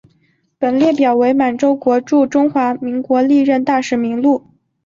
本列表为满洲国驻中华民国历任大使名录。